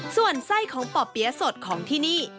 ส่วนไส้ของป่อเปี๊ยะสดของที่นี่